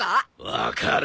分かる。